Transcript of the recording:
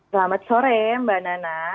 selamat sore mbak nana